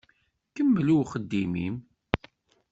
Kemmel i uxeddim-im.